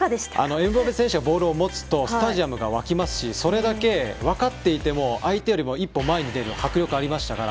エムバペ選手がボールを持つとスタジアムが沸きますしそれだけ、分かっていても相手よりも１歩前に出る迫力がありましたから。